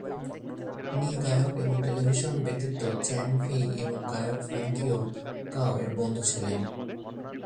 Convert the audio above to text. নি গায়ক এবং টেলিভিশন ব্যক্তিত্ব চ্যাং ফেই এবং গায়ক ফ্রাঙ্কি কাও এর বন্ধু ছিলেন।